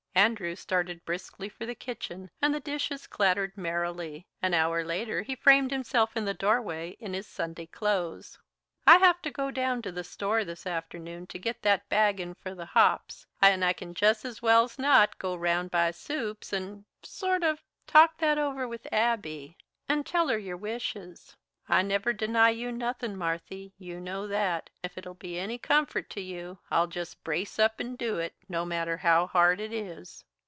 Andrew started briskly for the kitchen, and the dishes clattered merrily. An hour later he framed himself in the doorway in his Sunday clothes. "I have to go down to the store this afternoon to git that baggin' for the hops, and I can jest as well 's not go round by Supes' and sort of talk that over with Abby and tell her your wishes. I never deny you nothin', Marthy; you know that. If it'll be any comfort to you, I'll jest brace up and do it, no matter how hard it is."